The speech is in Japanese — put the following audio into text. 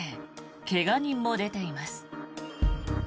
怪我人も出ています。